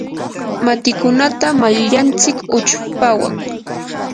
matikunata mayllantsik uchpawan.